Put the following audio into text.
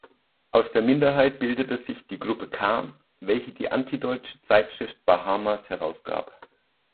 Aus der Minderheit bildete sich die "Gruppe K", welche die antideutsche Zeitschrift "Bahamas" herausgab.